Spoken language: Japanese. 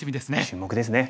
注目ですね。